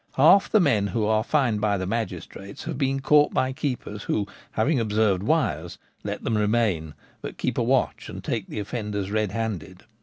Half the men who are fined by the magistrates have been caught by keepers who, having observed wires, let them remain ; but keep a watch and take the offenders red handed.